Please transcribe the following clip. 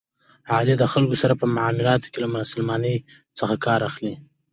علي د خلکو سره په معاملاتو کې له مسلمانی څخه کار اخلي.